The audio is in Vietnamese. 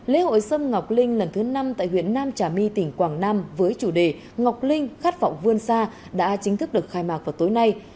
lễ hội sâm ngọc linh lần thứ năm tại huyện nam trà my tỉnh quảng nam với chủ đề ngọc linh khát vọng vươn xa đã chính thức được khai mạc vào tối nay